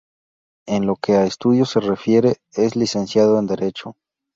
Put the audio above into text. En lo que a estudios se refiere, es licenciado en Derecho.